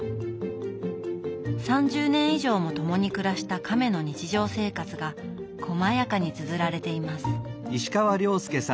３０年以上も共に暮らしたカメの日常生活が細やかにつづられています。